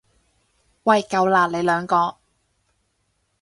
喂夠喇，你兩個！